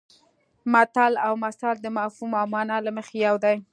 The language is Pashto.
متل او مثل د مفهوم او مانا له مخې یو دي